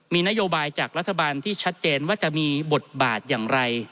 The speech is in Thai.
มีนโยบายจากรัฐบาลที่ชัดเจนว่าจะมีบทบาทอย่างไร